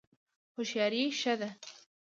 هوښیاري ښه ده.